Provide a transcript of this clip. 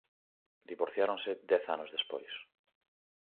Divorciáronse dez anos despois.